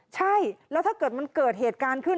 ใช่แล้วถ้าเกิดมันเกิดเหตุการณ์ขึ้น